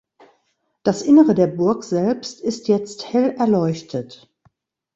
Das Innere der Burg selbst ist jetzt hell erleuchtet.